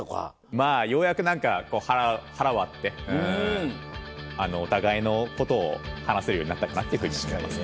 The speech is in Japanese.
まぁようやく何かこう腹割ってお互いのことを話せるようになったかなっていうふうに思います。